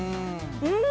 うん。